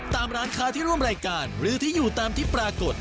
ตามร้านค้าที่ร่วมรายการหรือที่อยู่ตามที่ปรากฏ